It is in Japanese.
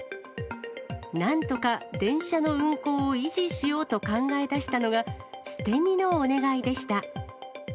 なんとか電車の運行を維持しようと考え出したのが、捨て身のお願いでした。